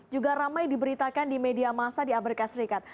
juga ramai diberitakan di media masa di amerika serikat